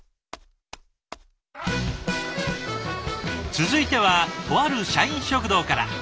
続いてはとある社員食堂から。